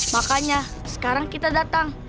makanya sekarang kita datang